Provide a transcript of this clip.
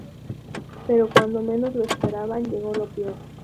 Pero cuando menos lo esperaban, llegó lo peor.